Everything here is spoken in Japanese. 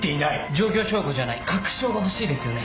状況証拠じゃない確証が欲しいですよね。